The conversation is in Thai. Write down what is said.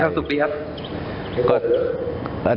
มีความสุขดีครับ